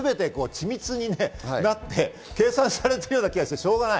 緻密に計算されてるようになっていてしょうがない。